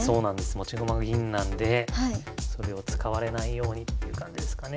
持ち駒が銀なんでそれを使われないようにっていう感じですかね。